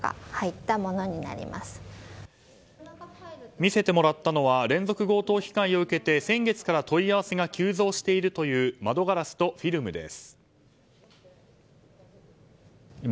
見せてもらったのは連続強盗被害を受けて先月から問い合わせが急増しているという窓ガラスとフィルムです。